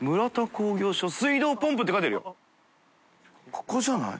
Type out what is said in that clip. ここじゃない？